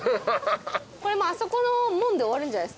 これもうあそこの門で終わるんじゃないですか？